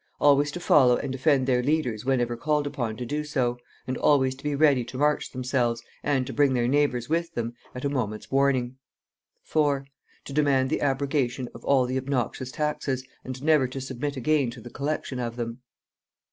Always to follow and defend their leaders whenever called upon to do so, and always to be ready to march themselves, and to bring their neighbors with them, at a moment's warning. 4. To demand the abrogation of all the obnoxious taxes, and never to submit again to the collection of them.